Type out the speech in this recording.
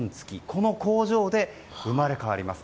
この工場で生まれ変わります。